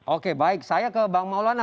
oke baik saya ke bang maulana